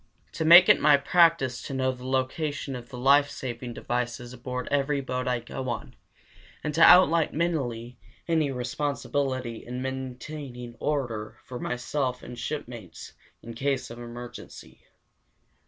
2. To make it my practice to know the location of the life saving devices aboard every boat I go on, and to outline mentally any responsibility in maintaining order for myself and shipmates in case of emergency.